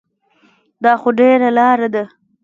دا خو ډېره لاره ده.